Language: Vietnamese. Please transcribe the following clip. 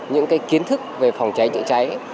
những kiến thức về phòng cháy chữa cháy